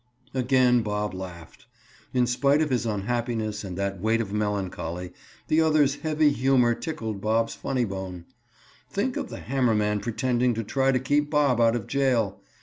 Again Bob laughed. In spite of his unhappiness and that weight of melancholy, the other's heavy humor tickled Bob's funny bone. Think of the hammer man pretending to try to keep Bob out of jail!